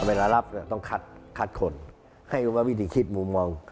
เวลารับต้องคัดคนให้ว่าวิธีคิดมุมมอง